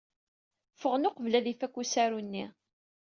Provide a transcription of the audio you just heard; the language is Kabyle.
Ffɣen uqbel ad ifak usaru-nni.